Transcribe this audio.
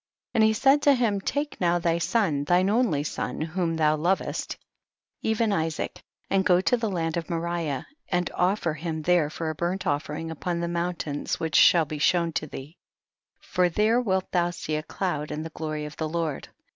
2. And he said to him, take now thy son, thine only son whom thou lovest, even Isaac, and go to the land of Moriah, and offer him there for a 64 THE BOOK OF JASHER. burnt offering upon one of the moun tains which shall be shown to thee, for there wilt thou see a cloud and the glory of the Lord.